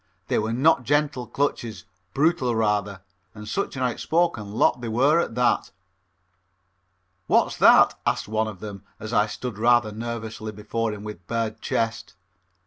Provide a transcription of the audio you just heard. They were not gentle clutches, brutal rather; and such an outspoken lot they were at that. "What's that?" asked one of them as I stood rather nervously before him with bared chest.